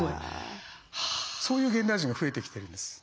そういう現代人が増えてきてるんです。